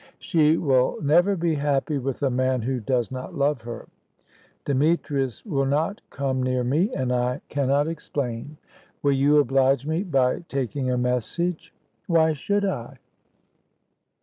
"She will never be happy with a man who does not love her. Demetrius will not come near me, and I cannot explain. Will you oblige me by taking a message?" "Why should I?"